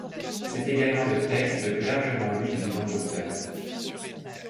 C'est également le texte le plus largement lu du vivant de l'auteur.